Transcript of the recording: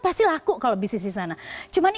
pasti laku kalau bisnis di sana cuman